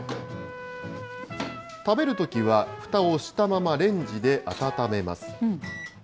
食べるときはふたをしたままレンジで温めます。